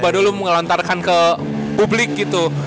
aduh lu ngelontarkan ke publik gitu